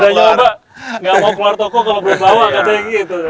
udah nyoba nggak mau keluar toko kalau boleh bawa katanya gitu